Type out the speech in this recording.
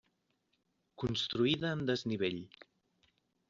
Construïda en desnivell.